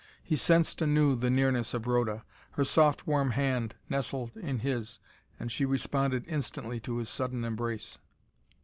He sensed anew the nearness of Rhoda. Her soft warm hand nestled in his and she responded instantly to his sudden embrace.